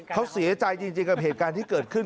เขาเสียใจจริงกับเหตุการณ์ที่เกิดขึ้น